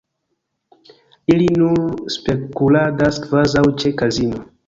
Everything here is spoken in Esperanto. Ili nur spekuladas kvazaŭ ĉe kazino.